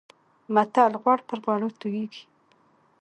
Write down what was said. متل: غوړ پر غوړو تويېږي.